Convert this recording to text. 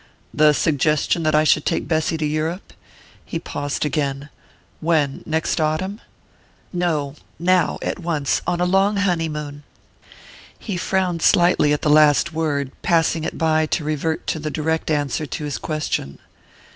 "The suggestion that I should take Bessy to Europe?" He paused again. "When next autumn?" "No: now at once. On a long honeymoon." He frowned slightly at the last word, passing it by to revert to the direct answer to his question.